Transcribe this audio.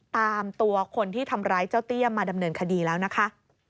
ตามตัวคนที่ทำร้ายเจ้าเตี้ยมาดำเนินคดีแล้วนะคะ